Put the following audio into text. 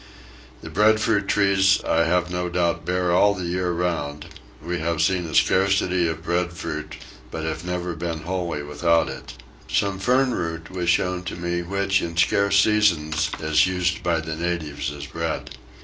The breadfruit trees I have no doubt bear all the year round: we have seen a scarcity of breadfruit but have never been wholly without it. Some fern root was shown to me which in scarce seasons is used by the natives as bread.